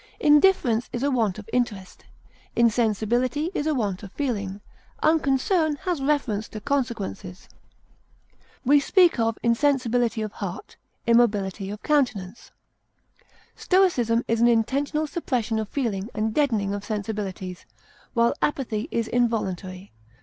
Indifference is a want of interest; insensibility is a want of feeling; unconcern has reference to consequences. We speak of insensibility of heart, immobility of countenance. Stoicism is an intentional suppression of feeling and deadening of sensibilities, while apathy is involuntary.